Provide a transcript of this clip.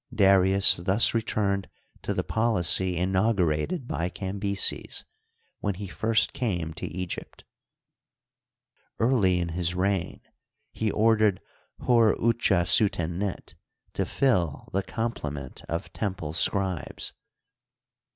Darius thus returned to the policy inaugurated by Cambyses when he first came to Egypt. Early in his reign he ordered Hor utja suten net to fill the complement of temple scribes.